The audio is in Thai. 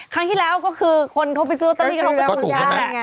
ครั้งที่แล้วก็คือคนเขาไปซื้อโรตารีก็รอบกับคุณยานไง